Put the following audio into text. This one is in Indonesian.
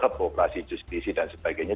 kepopulasi justisi dan sebagainya